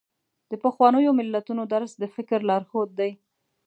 د پخوانیو متلونو درس د فکر لارښود دی.